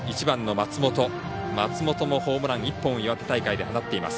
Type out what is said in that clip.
松本もホームラン１本岩手大会で放っています。